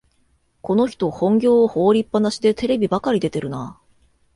この人、本業を放りっぱなしでテレビばかり出てるな